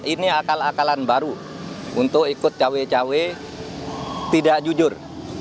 ini akal akalan baru untuk ikut cawe cawe tidak jujur